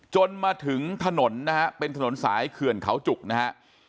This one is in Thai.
จนมาถึงถนนนะฮะเป็นถนนสายเขื่อนเขาจุกนะฮะ